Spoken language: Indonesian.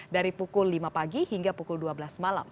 dari pukul lima pagi hingga pukul dua belas malam